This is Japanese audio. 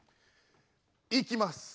いきます。